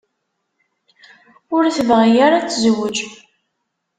Ur tebɣi ara ad tezweǧ.